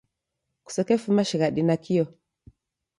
Kusekefuma shighadi nakio.